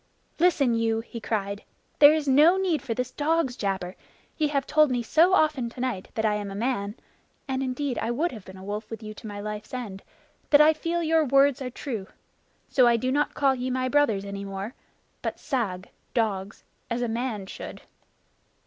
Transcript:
"Listen you!" he cried. "There is no need for this dog's jabber. Ye have told me so often tonight that I am a man (and indeed I would have been a wolf with you to my life's end) that I feel your words are true. So I do not call ye my brothers any more, but sag [dogs], as a man should.